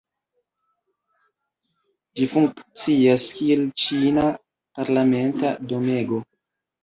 Ĝi funkcias kiel ĉina parlamenta domego.